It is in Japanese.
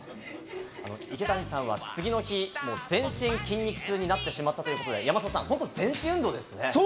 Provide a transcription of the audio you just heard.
池谷さんは次の日、全身筋肉痛になってしまったということで、本当に全身運動ですね。